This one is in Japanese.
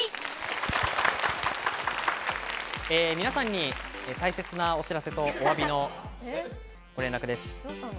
皆さんに大切なお知らせと、おわびのご連絡です。